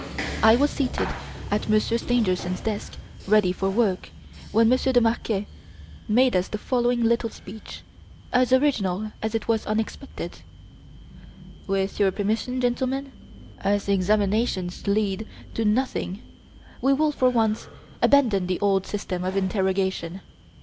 I was seated at Monsieur Stangerson's desk ready for work, when Monsieur de Marquet made us the following little speech as original as it was unexpected: "With your permission, gentlemen as examinations lead to nothing we will, for once, abandon the old system of interrogation.